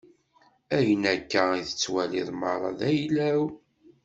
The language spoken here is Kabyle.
Ayen akka i tettwaliḍ meṛṛa, d ayla-w.